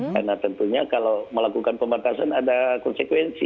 karena tentunya kalau melakukan pembatasan ada konsekuensi